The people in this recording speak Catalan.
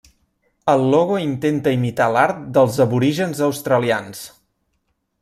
El logo intenta imitar l'art dels aborígens australians.